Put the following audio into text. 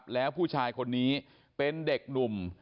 แล้วผู้ชายคนนี้เป็นเด็กหนุ่ม